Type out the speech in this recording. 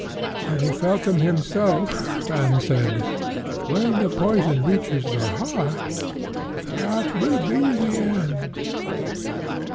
And he felt them himself, and said: When the poison reaches the heart, that will be the end.